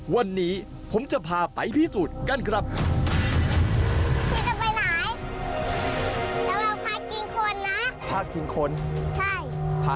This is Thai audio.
วันนี้ผมจะพาไปพิสูจน์กันครับ